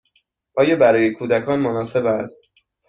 آیا برای کودکان مناسب است؟